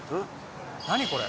何これ？